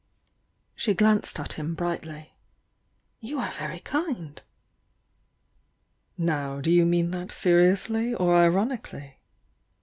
She glanced at him brightly. "You are very kind!" "Now do you mean that seriously or ironically?"